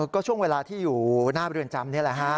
ก็ช่วงเวลาที่อยู่หน้าเรือนจำนี่แหละฮะ